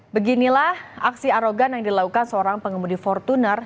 beginilah aksi arogan yang dilakukan seorang pengemudi fortuner